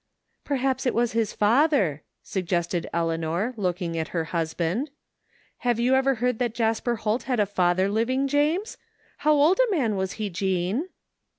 " Perhaps it was his father," suggested Eleanor, looking at her husband. " Have you ever heard that Jasper Holt had a father living, James? How old a man was he, Jean?